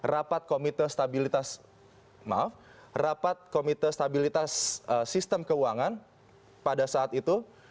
rapat komite stabilitas sistem keuangan pada saat itu